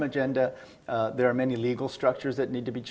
ada banyak struktur yang perlu diubah